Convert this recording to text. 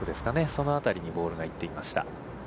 その辺りにボールが行っていました。